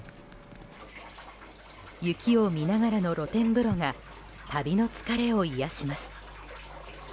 雪を見ながらの露天風呂が旅の疲れを癒やします。